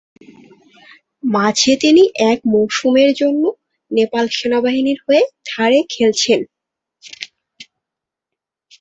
মাঝে তিনি এক মৌসুমে জন্য নেপাল সেনাবাহিনীর হয়ে ধারে খেলেছেন।